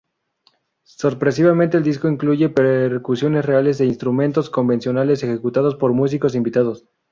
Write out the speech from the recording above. Sorpresivamente el disco incluye percusiones reales e instrumentos convencionales ejecutados por músicos invitados.